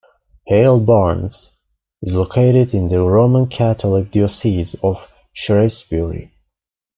Hale Barns is located in the Roman Catholic Diocese of Shrewsbury.